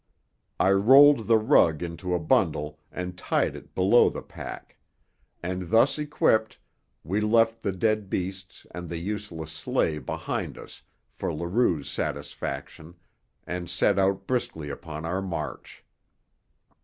I rolled the rug into a bundle and tied it below the pack; and thus equipped, we left the dead beasts and the useless sleigh behind us for Leroux's satisfaction, and set out briskly upon our march.